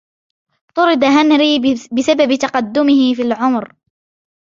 طُرد هنري بسبب تقدمه في العمر.